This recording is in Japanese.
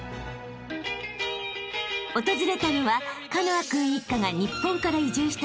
［訪れたのはカノア君一家が日本から移住した